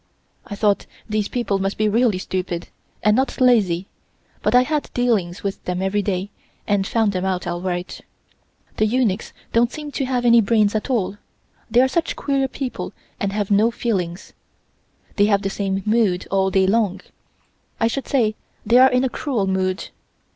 I thought these people must be really stupid, and not lazy, but I had dealings with them every day and found them out all right. The eunuchs don't seem to have any brains at all. They are such queer people and have no feelings. They have the same mood all day long I should say they are in a cruel mood.